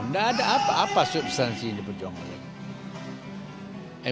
nggak ada apa apa substansi di pejuang mereka